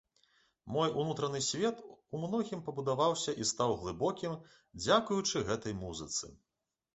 Мой унутраны свет ў многім пабудаваўся і стаў глыбокім дзякуючы гэтай музыцы.